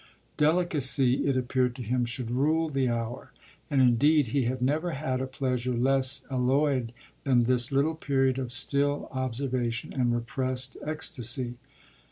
Delicacy, it appeared to him, should rule the hour; and indeed he had never had a pleasure less alloyed than this little period of still observation and repressed ecstasy.